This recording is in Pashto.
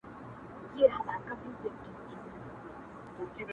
نن خو يې بيادخپل زړگي پر پاڼــه دا ولـيكل ـ